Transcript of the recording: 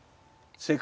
正解！